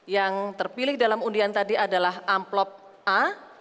yang terpilih dalam undian tadi adalah amplop a